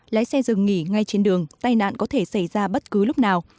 lái xe dừng nghỉ ngay trên đường tai nạn có thể xảy ra bất cứ lúc nào